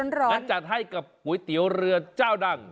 งั้นจัดให้กับก๋วยเตี๋ยวเรือเจ้าดัง